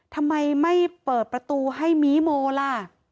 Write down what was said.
ทำไมไม่เปิดประตูให้มีโมล่ะ